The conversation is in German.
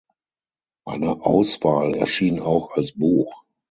Eine Auswahl erschien auch als Buch.